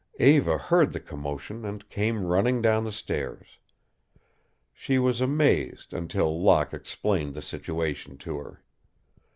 Eva heard the commotion and came running down the stairs. She was amazed until Locke explained the situation to her.